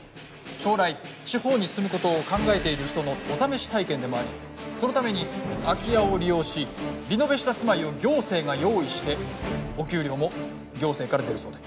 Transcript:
将来地方に住むことを考えている人のお試し体験でもありそのために空き家を利用しリノベした住まいを行政が用意してお給料も行政から出るそうで。